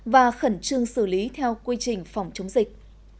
và khẩn trương xử lý theo quy trình phòng chống dịch